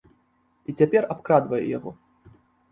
І цяпер абкрадвае яго.